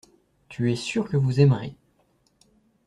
Tu es sûr que vous aimerez.